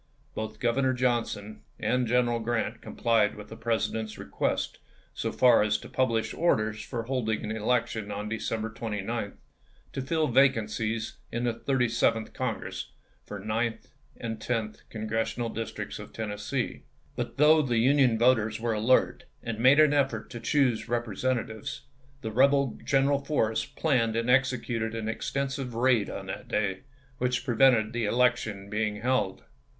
Both Governor Johnson and General G rant complied with the President's request so far as to publish orders for holding an election on December 29 to fill vacancies in the Thirty seventh 1862. Congress for the ninth and tenth Congressional Dis tricts of Tennessee. But though the Union voters were alert, and made an effort to choose Repre sentatives, the rebel General Forrest planned and executed an extensive raid on that day, which pre vented the election being held.